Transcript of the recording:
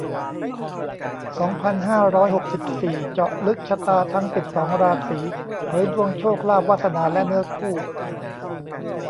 สองพันห้าร้อยหกสิบสี่ เจาะลึกชะตาทั้ง สิบสอง ราศี เผยดวงโชคลาภ วาสนา และเนื้อคู่